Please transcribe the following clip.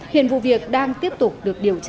hiện vụ việc đang tiếp tục được điều tra